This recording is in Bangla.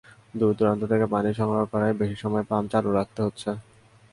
দূরদূরান্ত থেকে পানি সংগ্রহ করায় বেশি সময় পাম্প চালু রাখতে হচ্ছে।